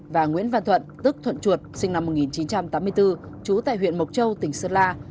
và nguyễn văn thuận tức thuận chuột sinh năm một nghìn chín trăm tám mươi bốn trú tại huyện mộc châu tỉnh sơn la